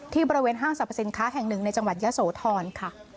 บริเวณห้างสรรพสินค้าแห่งหนึ่งในจังหวัดยะโสธรค่ะ